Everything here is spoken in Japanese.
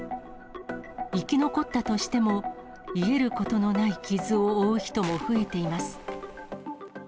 生き残ったとしても、癒えることのない傷を負う人も増えています。